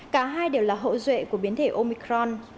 cả hai đều là hậu duệ của biến thể omicron